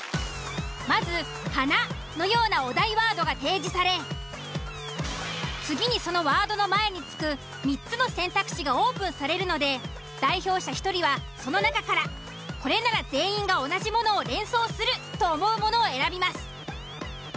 まず「花」のようなお題ワードが提示され次にそのワードの前に付く３つの選択肢がオープンされるので代表者１人はその中からこれなら全員が同じものを連想すると思うものを選びます。